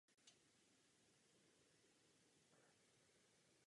Její tělo bylo uloženo do hrobu sester na vyšehradském hřbitově.